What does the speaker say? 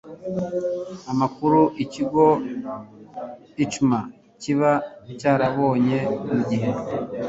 amakuru ikigo cma kiba cyarabonye mu gihe